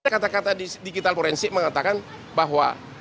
ada kata kata di digital forensik mengatakan bahwa